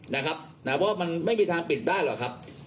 เพราะว่ามันไม่มีทางปิดได้หรอกครับ